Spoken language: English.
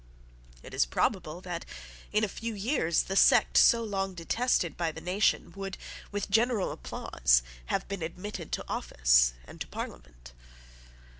It is probable that, in a few years, the sect so long detested by the nation would, with general applause, have been admitted to office and to Parliament.